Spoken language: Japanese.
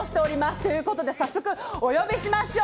ということで早速お呼びしましょう。